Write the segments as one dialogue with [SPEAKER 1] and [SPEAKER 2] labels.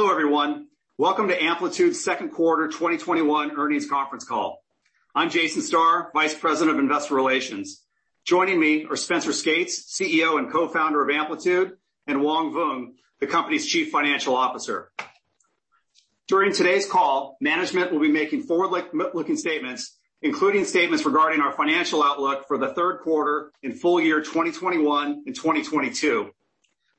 [SPEAKER 1] Hello, everyone. Welcome to Amplitude's Second Quarter 2021 Earnings Conference Call. I'm Jason Starr, Vice President of Investor Relations. Joining me are Spenser Skates, CEO and Co-Founder of Amplitude, and Hoang Vuong, the company's Chief Financial Officer. During today's call, management will be making forward-looking statements, including statements regarding our financial outlook for the third quarter in full year 2021 and 2022,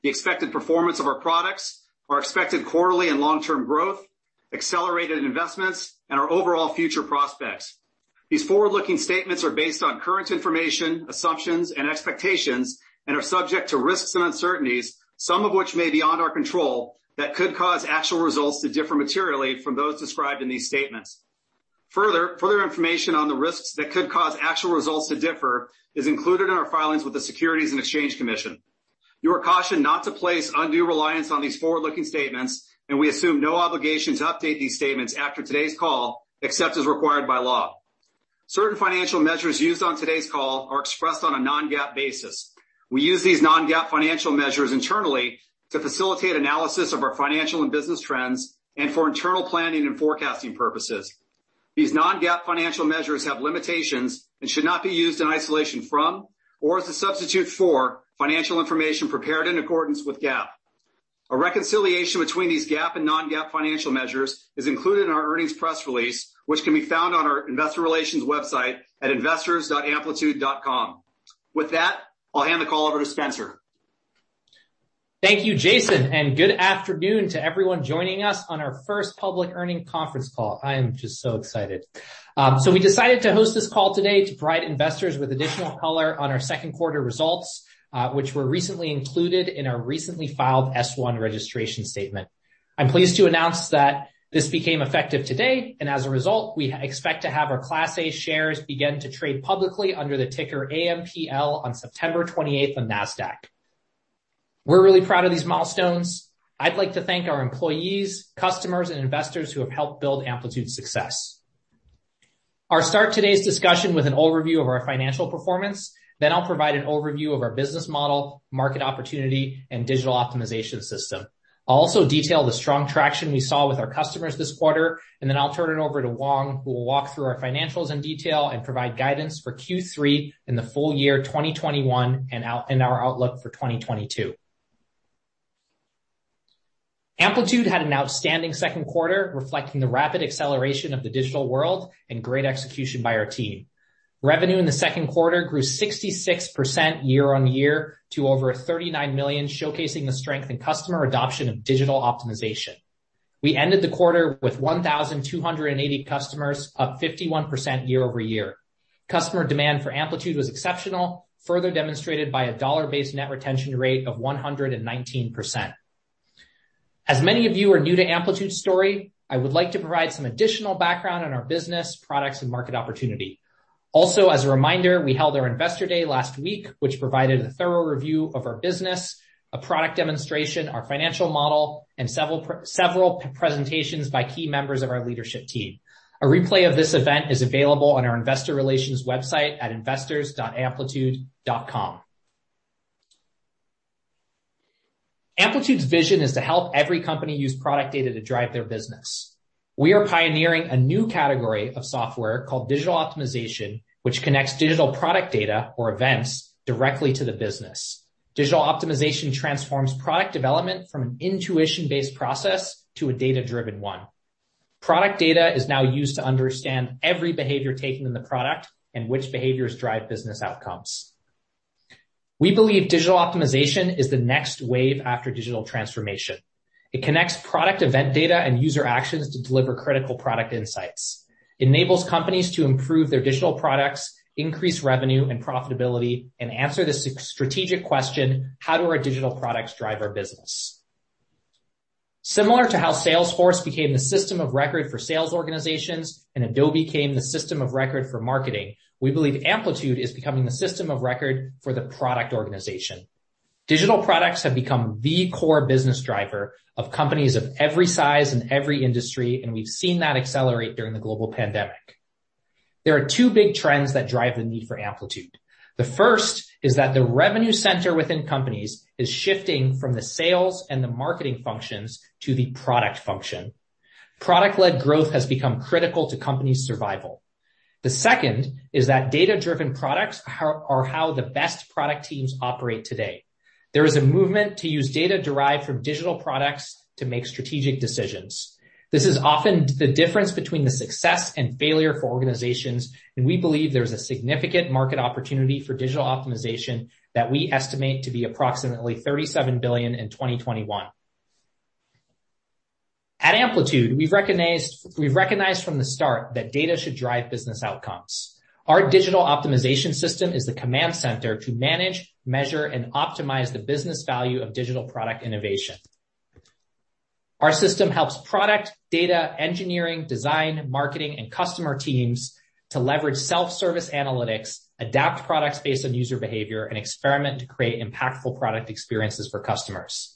[SPEAKER 1] the expected performance of our products, our expected quarterly and long-term growth, accelerated investments, and our overall future prospects. These forward-looking statements are based on current information, assumptions, and expectations and are subject to risks and uncertainties, some of which may be beyond our control, that could cause actual results to differ materially from those described in these statements. Further information on the risks that could cause actual results to differ is included in our filings with the Securities and Exchange Commission. You are cautioned not to place undue reliance on these forward-looking statements, and we assume no obligation to update these statements after today's call, except as required by law. Certain financial measures used on today's call are expressed on a non-GAAP basis. We use these non-GAAP financial measures internally to facilitate analysis of our financial and business trends and for internal planning and forecasting purposes. These non-GAAP financial measures have limitations and should not be used in isolation from, or as a substitute for, financial information prepared in accordance with GAAP. A reconciliation between these GAAP and non-GAAP financial measures is included in our earnings press release, which can be found on our investor relations website at investors.amplitude.com. With that, I'll hand the call over to Spenser.
[SPEAKER 2] Thank you, Jason, and good afternoon to everyone joining us on our first public earnings conference call. I am just so excited. We decided to host this call today to provide investors with additional color on our second quarter results, which were recently included in our recently filed S-1 registration statement. I'm pleased to announce that this became effective today, and as a result, we expect to have our class A shares begin to trade publicly under the ticker AMPL on September 28th on Nasdaq. We're really proud of these milestones. I'd like to thank our employees, customers, and investors who have helped build Amplitude's success. I'll start today's discussion with an overview of our financial performance. I'll provide an overview of our business model, market opportunity, and digital optimization system. I'll also detail the strong traction we saw with our customers this quarter, and then I'll turn it over to Hoang, who will walk through our financials in detail and provide guidance for Q3 in the full year 2021 and our outlook for 2022. Amplitude had an outstanding second quarter reflecting the rapid acceleration of the digital world and great execution by our team. Revenue in the second quarter grew 66% year-over-year to over $39 million, showcasing the strength in customer adoption of digital optimization. We ended the quarter with 1,280 customers, up 51% year-over-year. Customer demand for Amplitude was exceptional, further demonstrated by a dollar-based net retention rate of 119%. As many of you are new to Amplitude's story, I would like to provide some additional background on our business, products, and market opportunity. Also, as a reminder, we held our investor day last week, which provided a thorough review of our business, a product demonstration, our financial model, and several presentations by key members of our leadership team. A replay of this event is available on our investor relations website at investors.amplitude.com. Amplitude's vision is to help every company use product data to drive their business. We are pioneering a new category of software called digital optimization, which connects digital product data or events directly to the business. Digital optimization transforms product development from an intuition-based process to a data-driven one. Product data is now used to understand every behavior taken in the product and which behaviors drive business outcomes. We believe digital optimization is the next wave after digital transformation. It connects product event data and user actions to deliver critical product insights. Enables companies to improve their digital products, increase revenue and profitability, and answer the strategic question: how do our digital products drive our business? Similar to how Salesforce became the system of record for sales organizations and Adobe became the system of record for marketing, we believe Amplitude is becoming the system of record for the product organization. Digital products have become the core business driver of companies of every size in every industry, and we've seen that accelerate during the global pandemic. There are two big trends that drive the need for Amplitude. The first is that the revenue center within companies is shifting from the sales and the marketing functions to the product function. product-led growth has become critical to companies' survival. The second is that data-driven products are how the best product teams operate today. There is a movement to use data derived from digital products to make strategic decisions. This is often the difference between the success and failure for organizations, and we believe there's a significant market opportunity for digital optimization that we estimate to be approximately $37 billion in 2021. At Amplitude, we've recognized from the start that data should drive business outcomes. Our digital optimization system is the command center to manage, measure, and optimize the business value of digital product innovation. Our system helps product, data, engineering, design, marketing, and customer teams to leverage self-service analytics, adapt products based on user behavior, and experiment to create impactful product experiences for customers.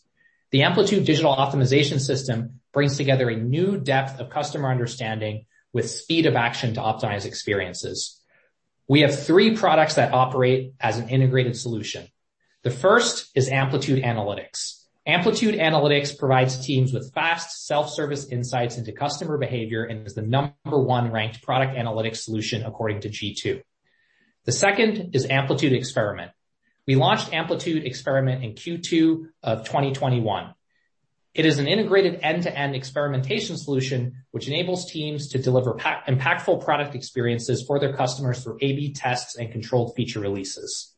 [SPEAKER 2] The Amplitude Digital Optimization System brings together a new depth of customer understanding with speed of action to optimize experiences. We have three products that operate as an integrated solution. The first is Amplitude Analytics. Amplitude Analytics provides teams with fast self-service insights into customer behavior and is the number one ranked product analytics solution according to G2. The second is Amplitude Experiment. We launched Amplitude Experiment in Q2 of 2021. It is an integrated end-to-end experimentation solution which enables teams to deliver impactful product experiences for their customers through A/B tests and controlled feature releases.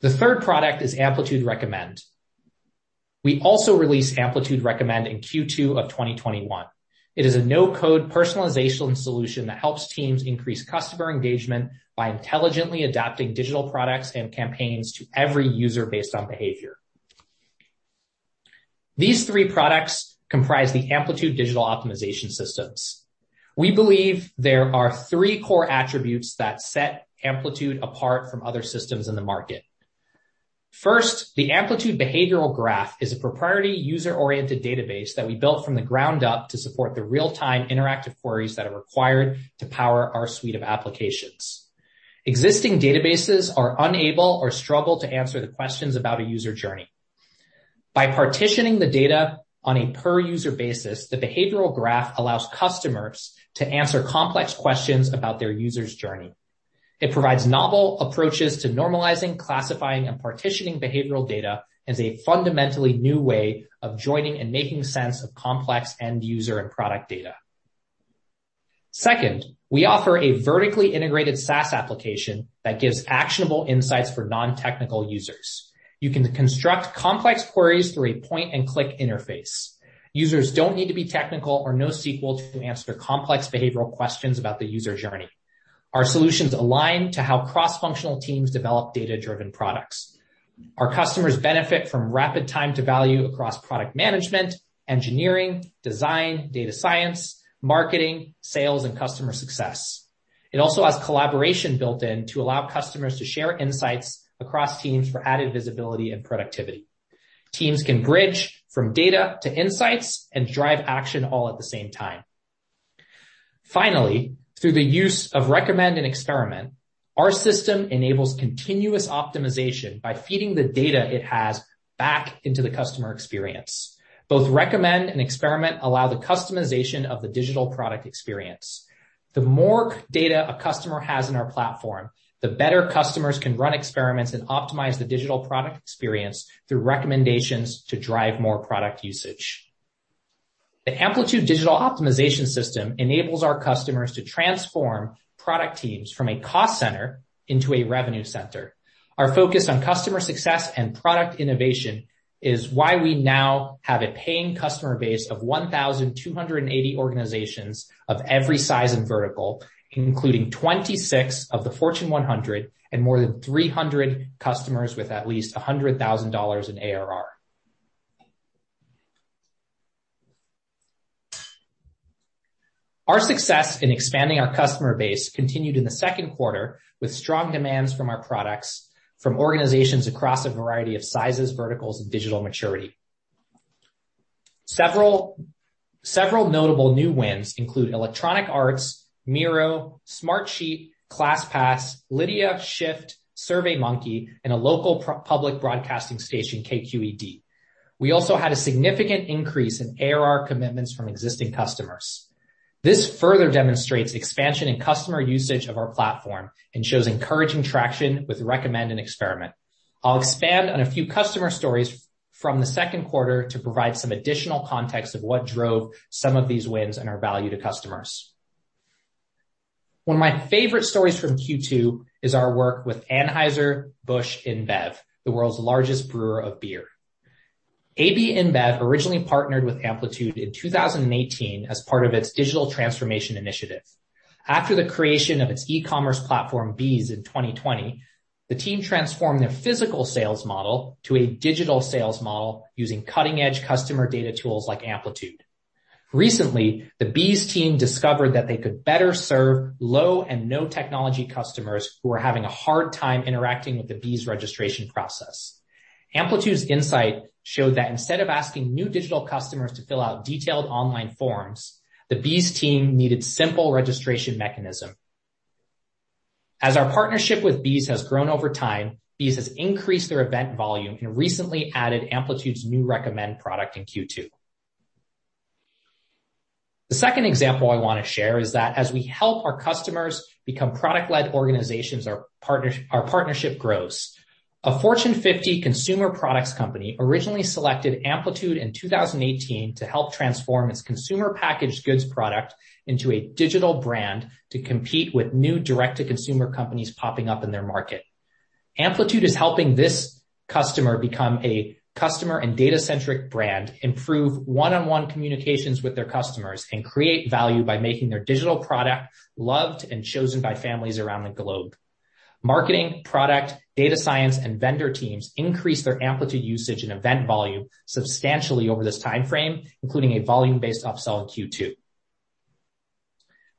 [SPEAKER 2] The third product is Amplitude Recommend. We also released Amplitude Recommend in Q2 of 2021. It is a no-code personalization solution that helps teams increase customer engagement by intelligently adapting digital products and campaigns to every user based on behavior. These three products comprise the Amplitude Digital Optimization System. We believe there are three core attributes that set Amplitude apart from other systems in the market. The Amplitude behavioral graph is a proprietary user-oriented database that we built from the ground up to support the real-time interactive queries that are required to power our suite of applications. Existing databases are unable or struggle to answer the questions about a user journey. By partitioning the data on a per user basis, the behavioral graph allows customers to answer complex questions about their user's journey. It provides novel approaches to normalizing, classifying, and partitioning behavioral data as a fundamentally new way of joining and making sense of complex end-user and product data. We offer a vertically integrated SaaS application that gives actionable insights for non-technical users. You can construct complex queries through a point-and-click interface. Users don't need to be technical or know SQL to answer complex behavioral questions about the user journey. Our solutions align to how cross-functional teams develop data-driven products. Our customers benefit from rapid time to value across product management, engineering, design, data science, marketing, sales, and customer success. It also has collaboration built in to allow customers to share insights across teams for added visibility and productivity. Teams can bridge from data to insights and drive action all at the same time. Finally, through the use of Recommend and Experiment, our system enables continuous optimization by feeding the data it has back into the customer experience. Both Recommend and Experiment allow the customization of the digital product experience. The more data a customer has in our platform, the better customers can run experiments and optimize the digital product experience through recommendations to drive more product usage. The Amplitude Digital Optimization System enables our customers to transform product teams from a cost center into a revenue center. Our focus on customer success and product innovation is why we now have a paying customer base of 1,280 organizations of every size and vertical, including 26 of the Fortune 100 and more than 300 customers with at least $100,000 in ARR. Our success in expanding our customer base continued in the second quarter with strong demands from our products from organizations across a variety of sizes, verticals, and digital maturity. Several notable new wins include Electronic Arts, Miro, Smartsheet, ClassPass, Lydia, Shift, SurveyMonkey, and a local public broadcasting station, KQED. We also had a significant increase in ARR commitments from existing customers. This further demonstrates expansion in customer usage of our platform and shows encouraging traction with Recommend and Experiment. I'll expand on a few customer stories from the second quarter to provide some additional context of what drove some of these wins and our value to customers. One of my favorite stories from Q2 is our work with Anheuser-Busch InBev, the world's largest brewer of beer. AB InBev originally partnered with Amplitude in 2018 as part of its digital transformation initiative. After the creation of its e-commerce platform, BEES, in 2020, the team transformed their physical sales model to a digital sales model using cutting-edge customer data tools like Amplitude. Recently, the BEES team discovered that they could better serve low and no technology customers who were having a hard time interacting with the BEES registration process. Amplitude's insight showed that instead of asking new digital customers to fill out detailed online forms, the BEES team needed simple registration mechanism. As our partnership with BEES has grown over time, BEES has increased their event volume and recently added Amplitude's new Recommend product in Q2. The second example I want to share is that as we help our customers become product-led organizations, our partnership grows. A Fortune 50 consumer products company originally selected Amplitude in 2018 to help transform its consumer packaged goods product into a digital brand to compete with new direct-to-consumer companies popping up in their market. Amplitude is helping this customer become a customer and data-centric brand, improve one-on-one communications with their customers, and create value by making their digital product loved and chosen by families around the globe. Marketing, product, data science, and vendor teams increased their Amplitude usage and event volume substantially over this time frame, including a volume-based upsell in Q2.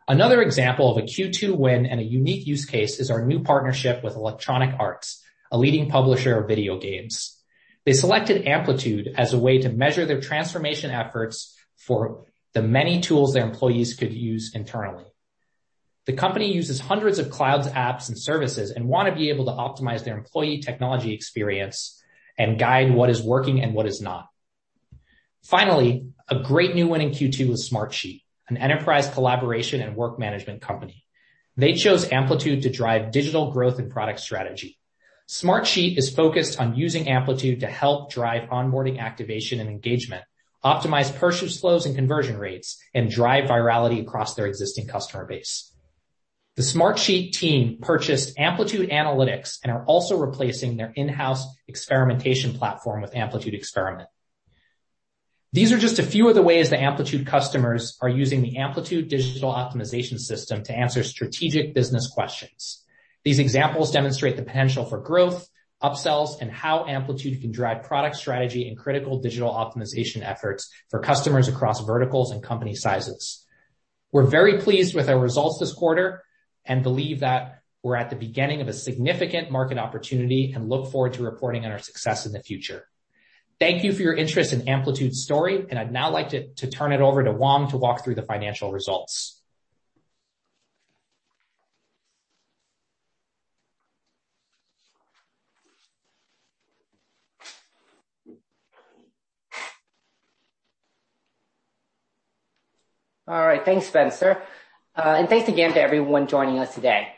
[SPEAKER 2] Another example of a Q2 win and a unique use case is our new partnership with Electronic Arts, a leading publisher of video games. They selected Amplitude as a way to measure their transformation efforts for the many tools their employees could use internally. The company uses hundreds of cloud apps and services and want to be able to optimize their employee technology experience and guide what is working and what is not. Finally, a great new win in Q2 was Smartsheet, an enterprise collaboration and work management company. They chose Amplitude to drive digital growth and product strategy. Smartsheet is focused on using Amplitude to help drive onboarding activation and engagement, optimize purchase flows and conversion rates, and drive virality across their existing customer base. The Smartsheet team purchased Amplitude Analytics and are also replacing their in-house experimentation platform with Amplitude Experiment. These are just a few of the ways that Amplitude customers are using the Amplitude Digital Optimization System to answer strategic business questions. These examples demonstrate the potential for growth, upsells, and how Amplitude can drive product strategy and critical digital optimization efforts for customers across verticals and company sizes. We're very pleased with our results this quarter and believe that we're at the beginning of a significant market opportunity and look forward to reporting on our success in the future. Thank you for your interest in Amplitude's story, and I'd now like to turn it over to Hoang to walk through the financial results.
[SPEAKER 3] All right. Thanks, Spenser. Thanks again to everyone joining us today.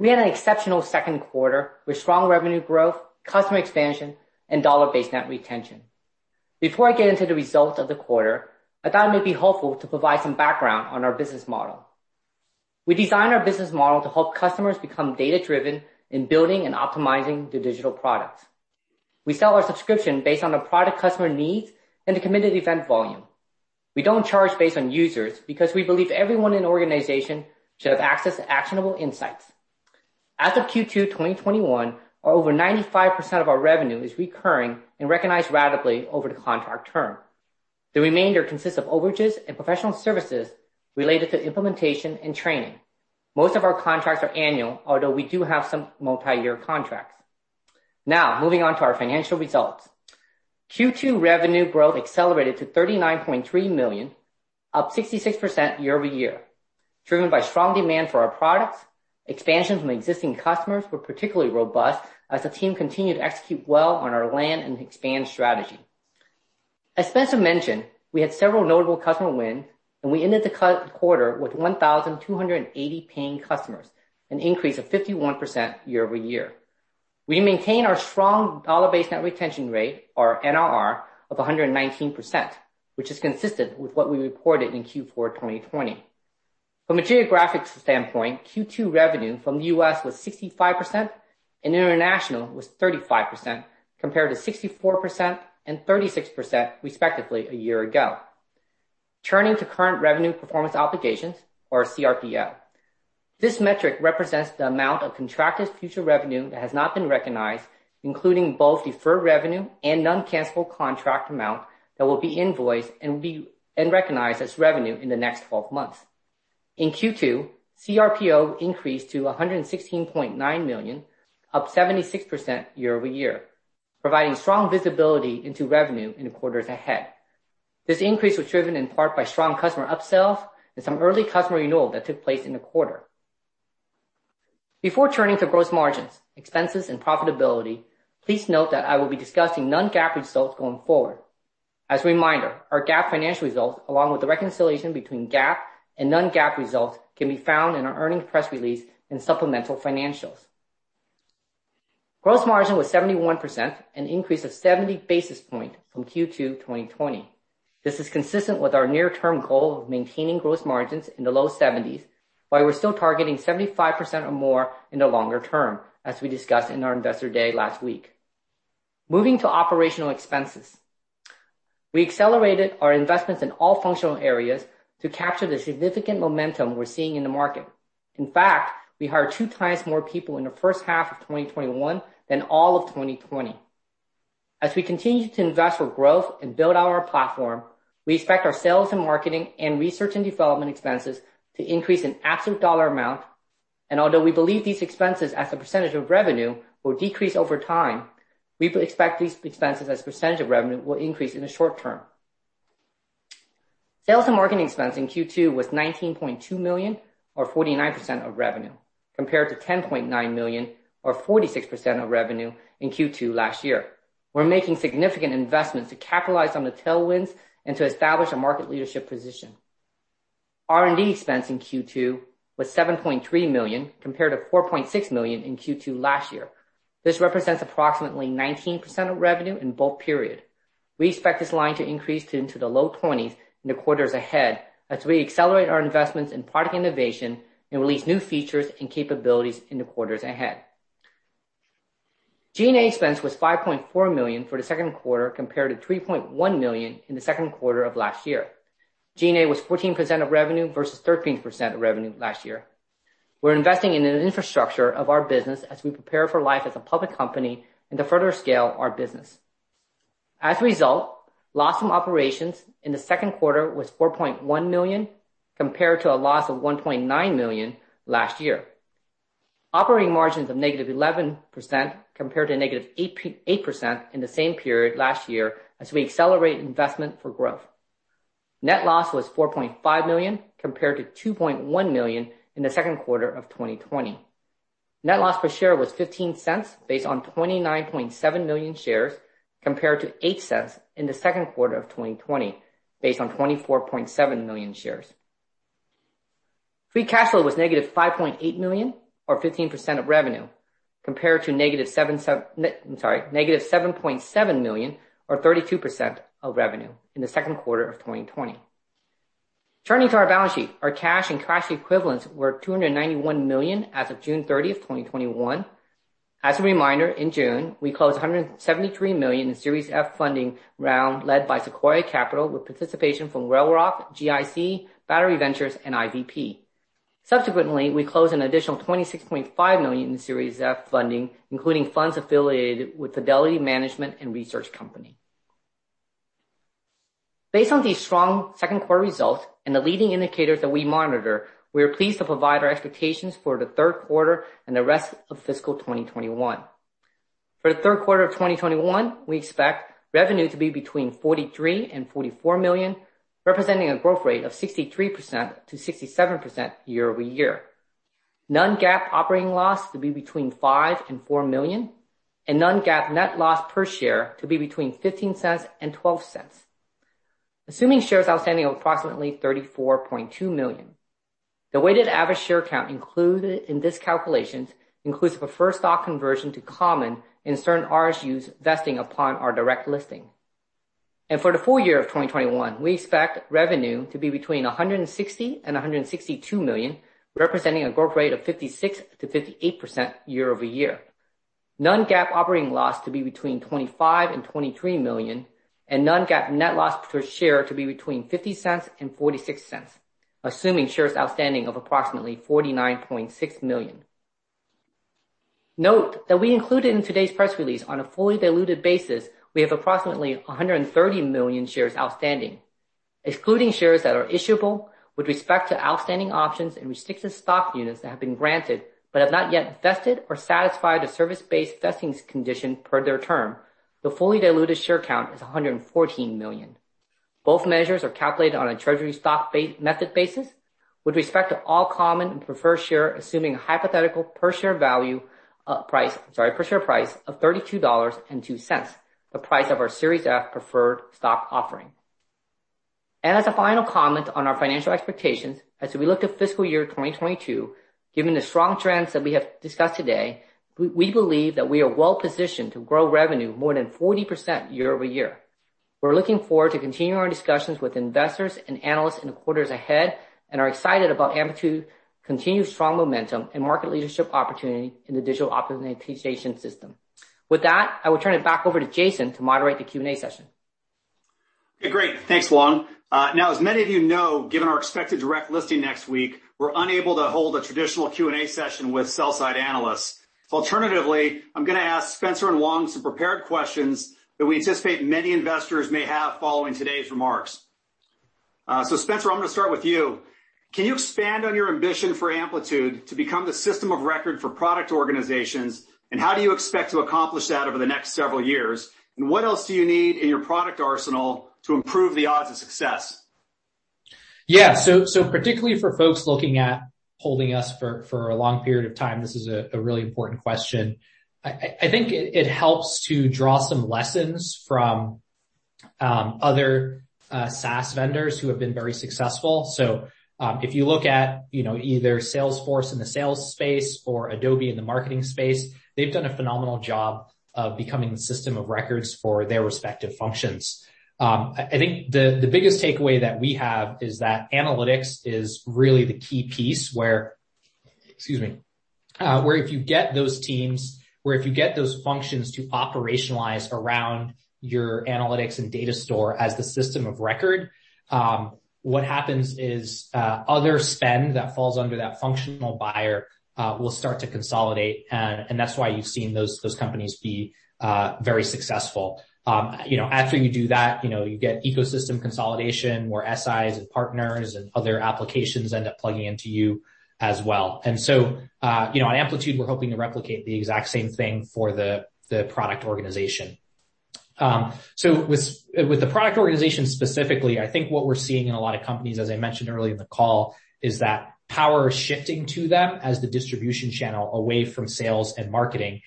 [SPEAKER 3] We had an exceptional second quarter with strong revenue growth, customer expansion, and dollar-based net retention. Before I get into the results of the quarter, I thought it may be helpful to provide some background on our business model. We designed our business model to help customers become data-driven in building and optimizing their digital products. We sell our subscription based on the product customer needs and the committed event volume. We don't charge based on users because we believe everyone in an organization should have access to actionable insights. As of Q2 2021, over 95% of our revenue is recurring and recognized ratably over the contract term. The remainder consists of overages and professional services related to implementation and training. Most of our contracts are annual, although we do have some multi-year contracts. Moving on to our financial results. Q2 revenue growth accelerated to $39.3 million, up 66% year-over-year, driven by strong demand for our products. Expansions from existing customers were particularly robust as the team continued to execute well on our land and expand strategy. As Spenser mentioned, we had several notable customer wins, and we ended the quarter with 1,280 paying customers, an increase of 51% year-over-year. We maintain our strong dollar-based net retention rate, or NRR, of 119%, which is consistent with what we reported in Q4 2020. From a geographic standpoint, Q2 revenue from the U.S. was 65% and international was 35%, compared to 64% and 36%, respectively, a year ago. Turning to current remaining performance obligations, or CRPO. This metric represents the amount of contracted future revenue that has not been recognized, including both deferred revenue and non-cancellable contract amount that will be invoiced and recognized as revenue in the next 12 months. In Q2, CRPO increased to $116.9 million, up 76% year-over-year, providing strong visibility into revenue in the quarters ahead. This increase was driven in part by strong customer upsells and some early customer renewal that took place in the quarter. Before turning to gross margins, expenses, and profitability, please note that I will be discussing non-GAAP results going forward. As a reminder, our GAAP financial results, along with the reconciliation between GAAP and non-GAAP results, can be found in our earnings press release and supplemental financials. Gross margin was 71%, an increase of 70 basis points from Q2 2020. This is consistent with our near-term goal of maintaining gross margins in the low 70s, while we're still targeting 75% or more in the longer term, as we discussed in our investor day last week. Moving to operational expenses. We accelerated our investments in all functional areas to capture the significant momentum we're seeing in the market. In fact, we hired two times more people in the first half of 2021 than all of 2020. As we continue to invest for growth and build out our platform, we expect our sales and marketing and research and development expenses to increase in absolute dollar amount. Although we believe these expenses as a percentage of revenue will decrease over time, we expect these expenses as a percentage of revenue will increase in the short term. Sales and marketing expense in Q2 was $19.2 million or 49% of revenue, compared to $10.9 million or 46% of revenue in Q2 last year. We're making significant investments to capitalize on the tailwinds and to establish a market leadership position. R&D expense in Q2 was $7.3 million, compared to $4.6 million in Q2 last year. This represents approximately 19% of revenue in both periods. We expect this line to increase into the low 20s in the quarters ahead as we accelerate our investments in product innovation and release new features and capabilities in the quarters ahead. G&A expense was $5.4 million for the second quarter, compared to $3.1 million in the second quarter of last year. G&A was 14% of revenue versus 13% of revenue last year. We're investing in an infrastructure of our business as we prepare for life as a public company and to further scale our business. As a result, loss from operations in the second quarter was $4.1 million, compared to a loss of $1.9 million last year. Operating margins of -11% compared to -8% in the same period last year as we accelerate investment for growth. Net loss was $4.5 million compared to $2.1 million in the second quarter of 2020. Net loss per share was $0.15 based on 29.7 million shares, compared to $0.08 in the second quarter of 2020, based on 24.7 million shares. Free cash flow was -$5.8 million, or 15% of revenue, compared to -$7.7 million or 32% of revenue in the second quarter of 2020. Turning to our balance sheet, our cash and cash equivalents were $291 million as of June 30, 2021. As a reminder, in June, we closed $173 million in Series F funding round led by Sequoia Capital with participation from, GIC, Battery Ventures and IVP. Subsequently, we closed an additional $26.5 million in Series F funding, including funds affiliated with Fidelity Management & Research Company. Based on these strong second quarter results and the leading indicators that we monitor, we are pleased to provide our expectations for the third quarter and the rest of fiscal 2021. For the third quarter of 2021, we expect revenue to be between $43 million-$44 million, representing a growth rate of 63%-67% year-over-year. Non-GAAP operating loss to be between $5 million and $4 million, and non-GAAP net loss per share to be between $0.15 and $0.12, assuming shares outstanding of approximately 34.2 million. The weighted average share count included in this calculations includes preferred stock conversion to common and certain RSUs vesting upon our direct listing. For the full year of 2021, we expect revenue to be between $160 million and $162 million, representing a growth rate of 56%-58% year-over-year. Non-GAAP operating loss to be between $25 million and $23 million, and non-GAAP net loss per share to be between $0.50 and $0.46, assuming shares outstanding of approximately 49.6 million. Note that we included in today's press release on a fully diluted basis, we have approximately 130 million shares outstanding. Excluding shares that are issuable with respect to outstanding options and restricted stock units that have been granted but have not yet vested or satisfied a service-based vesting condition per their term, the fully diluted share count is 114 million. Both measures are calculated on a treasury stock method basis with respect to all common and preferred share, assuming a hypothetical per share price of $32.02, the price of our Series F preferred stock offering. As a final comment on our financial expectations, as we look to fiscal year 2022, given the strong trends that we have discussed today, we believe that we are well-positioned to grow revenue more than 40% year-over-year. We're looking forward to continuing our discussions with investors and analysts in the quarters ahead and are excited about Amplitude continued strong momentum and market leadership opportunity in the digital optimization system. With that, I will turn it back over to Jason to moderate the Q&A session.
[SPEAKER 1] Great. Thanks, Hoang. Now as many of you know, given our expected direct listing next week, we're unable to hold a traditional Q&A session with sell-side analysts. Alternatively, I'm going to ask Spenser and Hoang some prepared questions that we anticipate many investors may have following today's remarks. Spenser, I'm going to start with you. Can you expand on your ambition for Amplitude to become the system of record for product organizations, and how do you expect to accomplish that over the next several years? What else do you need in your product arsenal to improve the odds of success?
[SPEAKER 2] Yeah. Particularly for folks looking at holding us for a long period of time, this is a really important question. I think it helps to draw some lessons from other SaaS vendors who have been very successful. If you look at either Salesforce in the sales space or Adobe in the marketing space, they've done a phenomenal job of becoming the system of records for their respective functions. I think the biggest takeaway that we have is that analytics is really the key piece where if you get those functions to operationalize around your analytics and data store as the system of record, what happens is other spend that falls under that functional buyer will start to consolidate, and that's why you've seen those companies be very successful. After you do that, you get ecosystem consolidation where SIs and partners and other applications end up plugging into you as well. At Amplitude, we're hoping to replicate the exact same thing for the product organization. With the product organization specifically, I think what we're seeing in a lot of companies, as I mentioned early in the call, is that power shifting to them as the distribution channel away from sales and marketing.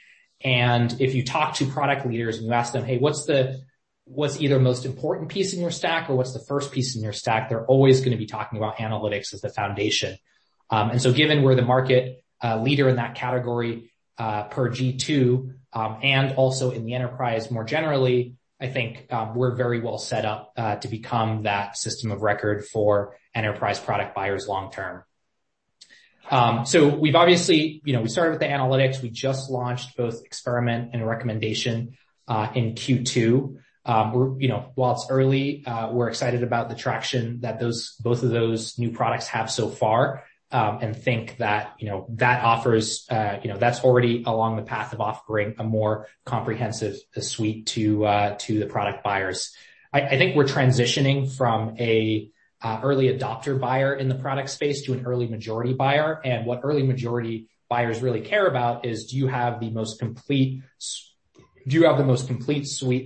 [SPEAKER 2] If you talk to product leaders and you ask them, "Hey, what's either most important piece in your stack or what's the first piece in your stack?" They're always going to be talking about analytics as the foundation. Given we're the market leader in that category per G2, and also in the enterprise more generally, I think we're very well set up to become that system of record for enterprise product buyers long term. We started with the analytics. We just launched both Experiment and Recommend in Q2. While it's early, we're excited about the traction that both of those new products have so far, and think that that's already along the path of offering a more comprehensive suite to the product buyers. I think we're transitioning from an early adopter buyer in the product space to an early majority buyer. What early majority buyers really care about is do you have the most complete suite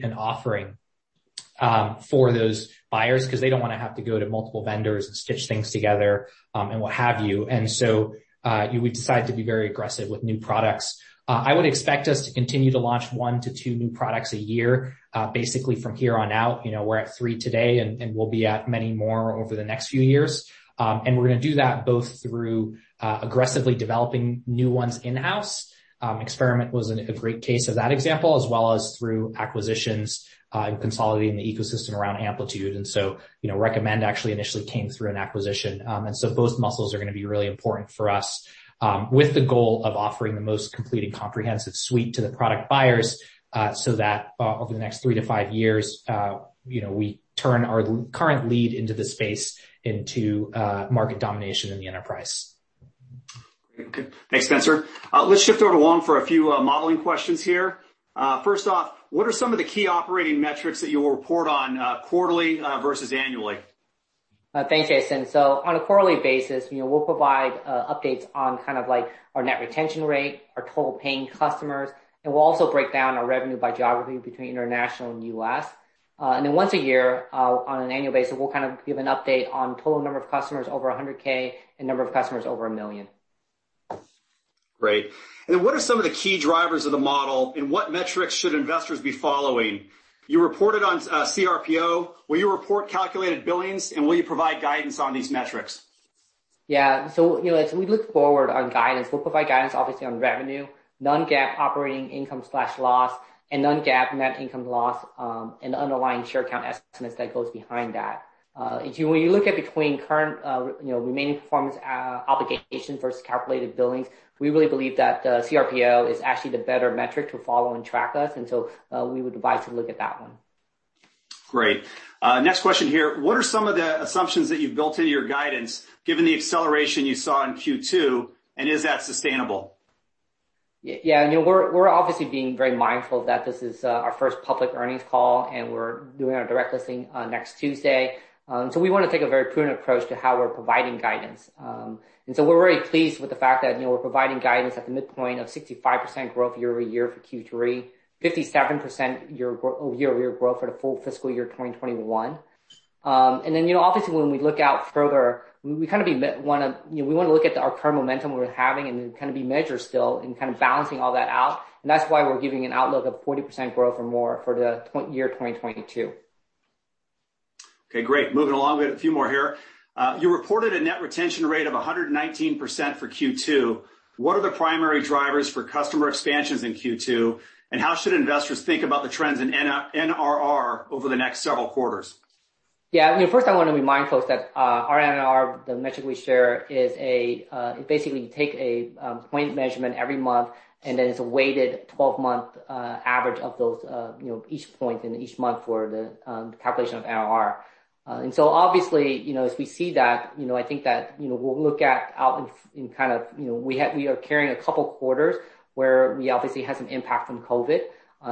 [SPEAKER 2] and offering for those buyers because they don't want to have to go to multiple vendors and stitch things together and what have you. We decided to be very aggressive with new products. I would expect us to continue to launch one to two new products a year, basically from here on out. We're at three today, and we'll be at many more over the next few years. We're going to do that both through aggressively developing new ones in-house. Experiment was a great case of that example, as well as through acquisitions and consolidating the ecosystem around Amplitude. Recommend actually initially came through an acquisition. Both muscles are going to be really important for us with the goal of offering the most complete and comprehensive suite to the product buyers so that over the next three to five years, we turn our current lead into the space into market domination in the enterprise.
[SPEAKER 1] Great. Okay. Thanks, Spenser. Let's shift over to Hoang for a few modeling questions here. First off, what are some of the key operating metrics that you will report on quarterly versus annually?
[SPEAKER 3] Thanks, Jason. On a quarterly basis, we'll provide updates on our net retention rate, our total paying customers, and we'll also break down our revenue by geography between international and U.S. Once a year, on an annual basis, we'll give an update on total number of customers over 100K and number of customers over 1 million.
[SPEAKER 1] Great. What are some of the key drivers of the model, and what metrics should investors be following? You reported on CRPO. Will you report calculated billings, and will you provide guidance on these metrics?
[SPEAKER 3] Yeah. As we look forward on guidance, we'll provide guidance obviously on revenue, non-GAAP operating income/loss, and non-GAAP net income loss, and the underlying share count estimates that goes behind that. When you look at between current remaining performance obligation versus calculated billings, we really believe that the CRPO is actually the better metric to follow and track us. We would advise to look at that one.
[SPEAKER 1] Great. Next question here. What are some of the assumptions that you've built into your guidance given the acceleration you saw in Q2, and is that sustainable?
[SPEAKER 3] Yeah. We're obviously being very mindful that this is our first public earnings call, and we're doing our direct listing next Tuesday. We want to take a very prudent approach to how we're providing guidance. We're very pleased with the fact that we're providing guidance at the midpoint of 65% growth year-over-year for Q3, 57% year-over-year growth for the full fiscal year 2021. Obviously, when we look out further, we want to look at our current momentum we're having and then be measured still in balancing all that out. That's why we're giving an outlook of 40% growth or more for the year 2022.
[SPEAKER 1] Okay, great. Moving along. We got a few more here. You reported a net retention rate of 119% for Q2. What are the primary drivers for customer expansions in Q2, and how should investors think about the trends in NRR over the next several quarters?
[SPEAKER 3] Yeah. First I want to remind folks that our NRR, the metric we share is basically you take a point measurement every month, then it's a weighted 12-month average of each point in each month for the calculation of NRR. Obviously, as we see that, I think that we'll look at we are carrying a couple quarters where we obviously had some impact from COVID.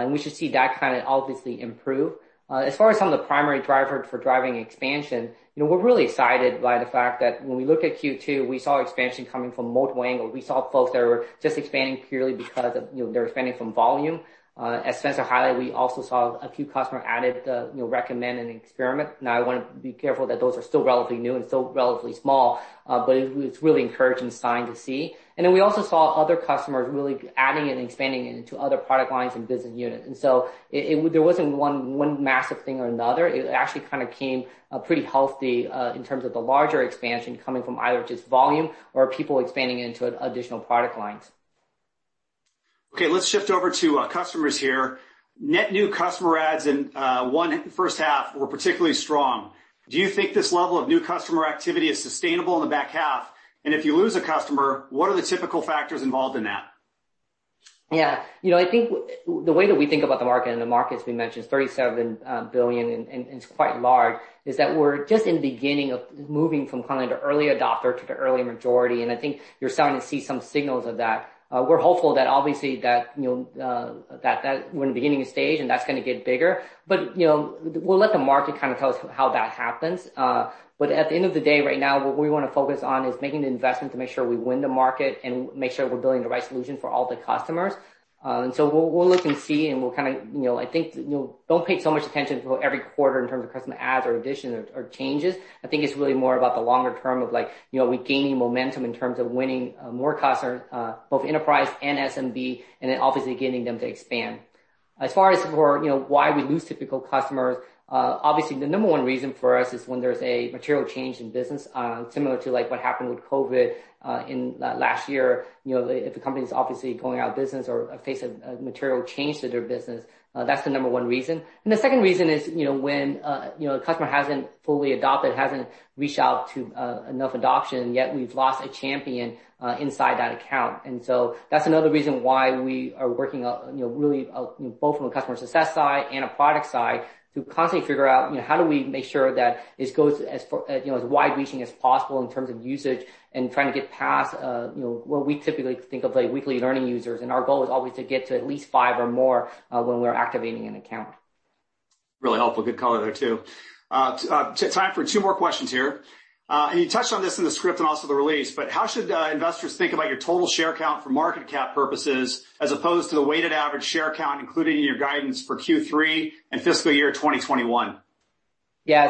[SPEAKER 3] We should see that obviously improve. As far as some of the primary drivers for driving expansion, we're really excited by the fact that when we look at Q2, we saw expansion coming from multiple angles. We saw folks that were just expanding purely because of they were expanding from volume. As Spenser highlighted, we also saw a few customer-added Recommend and Experiment. I want to be careful that those are still relatively new and still relatively small. It's really encouraging sign to see. We also saw other customers really adding and expanding into other product lines and business units. There wasn't one massive thing or another. It actually came pretty healthy in terms of the larger expansion coming from either just volume or people expanding into additional product lines.
[SPEAKER 1] Okay. Let's shift over to customers here. Net new customer adds in first half were particularly strong. Do you think this level of new customer activity is sustainable in the back half? If you lose a customer, what are the typical factors involved in that?
[SPEAKER 3] Yeah. I think the way that we think about the market, and the market, as we mentioned, is $37 billion and it's quite large, is that we're just in the beginning of moving from early adopter to the early majority, and I think you're starting to see some signals of that. We're hopeful that obviously we're in the beginning stage, and that's going to get bigger. We'll let the market tell us how that happens. At the end of the day, right now, what we want to focus on is making the investment to make sure we win the market and make sure we're building the right solution for all the customers. We'll look and see, and I think don't pay so much attention to every quarter in terms of customer adds or additions or changes. I think it's really more about the longer term of we gaining momentum in terms of winning more customers, both enterprise and SMB, and then obviously getting them to expand. As far as for why we lose typical customers, obviously the number one reason for us is when there's a material change in business, similar to what happened with COVID in last year. If a company's obviously going out of business or face a material change to their business, that's the number one reason. The second reason is when a customer hasn't fully adopted, hasn't reached out to enough adoption, yet we've lost a champion inside that account. That's another reason why we are working really both from a customer success side and a product side to constantly figure out how do we make sure that this goes as wide-reaching as possible in terms of usage and trying to get past what we typically think of Weekly Active Users. Our goal is always to get to at least five or more when we're activating an account.
[SPEAKER 1] Really helpful. Good color there, too. Time for two more questions here. You touched on this in the script and also the release, but how should investors think about your total share count for market cap purposes, as opposed to the weighted average share count, including your guidance for Q3 and fiscal year 2021?
[SPEAKER 3] Yeah.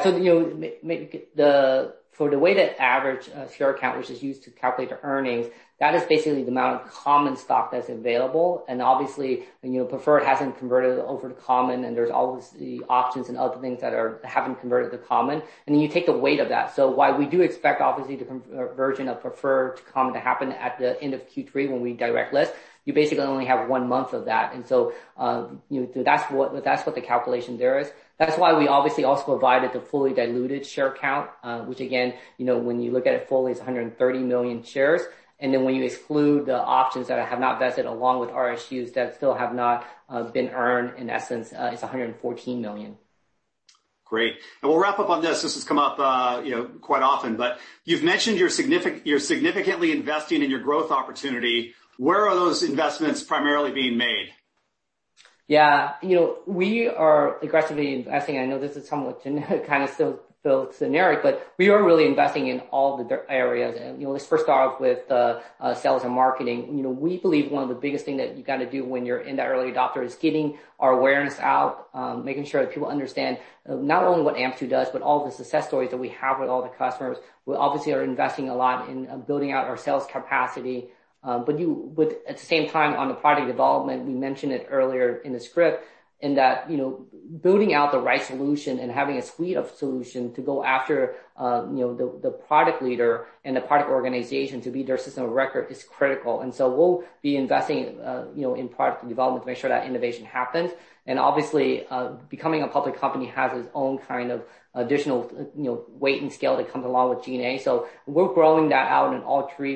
[SPEAKER 3] For the weighted average share count, which is used to calculate the earnings, that is basically the amount of common stock that's available. Obviously, preferred hasn't converted over to common, and there's obviously options and other things that haven't converted to common. You take the weight of that. While we do expect, obviously, the conversion of preferred to common to happen at the end of Q3 when we direct list, you basically only have one month of that. That's what the calculation there is. That's why we obviously also provided the fully diluted share count, which again, when you look at it fully, is 130 million shares. When you exclude the options that have not vested, along with RSUs that still have not been earned, in essence, it's 114 million.
[SPEAKER 1] Great. We'll wrap up on this. This has come up quite often. You've mentioned you're significantly investing in your growth opportunity. Where are those investments primarily being made?
[SPEAKER 3] Yeah. We are aggressively investing. I know this is somewhat kind of still generic. We are really investing in all the areas. Let's first start off with sales and marketing. We believe one of the biggest thing that you got to do when you're in that early adopter is getting our awareness out, making sure that people understand, not only what Amplitude does, but all the success stories that we have with all the customers. We obviously are investing a lot in building out our sales capacity. At the same time, on the product development, we mentioned it earlier in the script, in that building out the right solution and having a suite of solution to go after the product leader and the product organization to be their system of record is critical. We'll be investing in product development to make sure that innovation happens. Obviously, becoming a public company has its own kind of additional weight and scale that comes along with G&A. We're growing that out in all three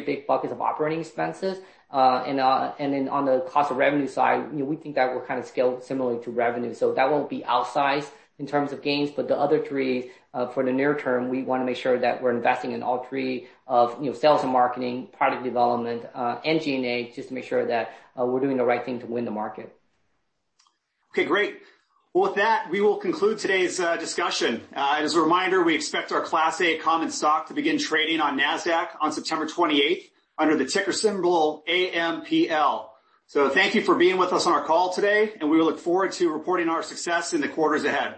[SPEAKER 3] big buckets of operating expenses. On the cost of revenue side, we think that will scale similarly to revenue. That won't be outsized in terms of gains. The other three, for the near term, we want to make sure that we're investing in all three of sales and marketing, product development, and G&A, just to make sure that we're doing the right thing to win the market.
[SPEAKER 1] Okay, great. Well, with that, we will conclude today's discussion. As a reminder, we expect our Class A common stock to begin trading on Nasdaq on September 28th under the ticker symbol AMPL. Thank you for being with us on our call today, and we look forward to reporting our success in the quarters ahead.